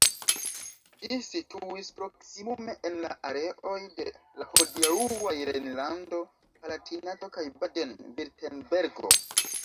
Ĝi situis proksimume en la areoj de la hodiaŭaj Rejnlando-Palatinato kaj Baden-Virtembergo.